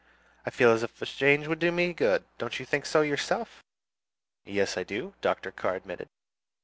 I feel as if a change would do me good. Don't you think so yourself?" "Yes, I do," Dr. Carr admitted.